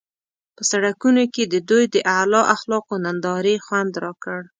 په سړکونو کې د دوی د اعلی اخلاقو نندارې خوند راکړ.